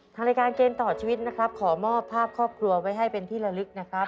ทางรายการเกมต่อชีวิตนะครับขอมอบภาพครอบครัวไว้ให้เป็นที่ละลึกนะครับ